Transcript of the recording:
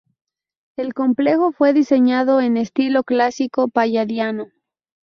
El complejo fue diseñado en estilo clásico palladiano.